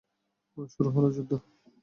শুরু হল যুদ্ধ।